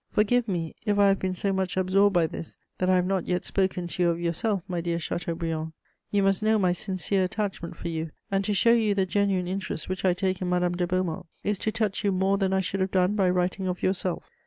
Forgive me if I have been so much absorbed by this that I have not yet spoken to you of yourself, my dear Chateaubriand; you must know my sincere attachment for you, and to show you the genuine interest which I take in Madame de Beaumont is to touch you more than I should have done by writing of yourself.